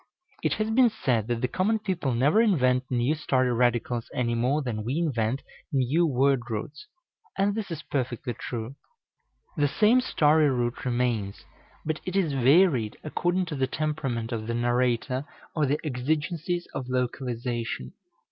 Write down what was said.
It has been said that the common people never invent new story radicals any more than we invent new word roots; and this is perfectly true. The same story root remains, but it is varied according to the temperament of the narrator or the exigencies of localization.